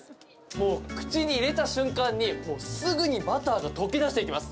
もう口に入れた瞬間にすぐにバターが溶け出していきます。